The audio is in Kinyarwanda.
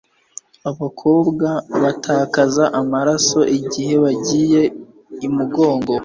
abakobwa batakaza amaraso igihe bagiye imugongo.